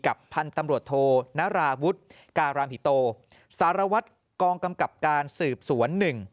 พันธุ์ตำรวจโทนาราวุฒิการามหิโตสารวัตรกองกำกับการสืบสวนหนึ่ง